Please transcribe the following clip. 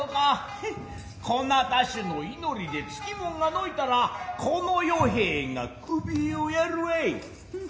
こなた衆の祈りで憑物が退たら此の与兵衛が首をやるわい。